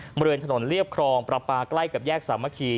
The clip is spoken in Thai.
เมื่อเรือนถนนเรียบครองประปากล้ายกับแยกสามารคี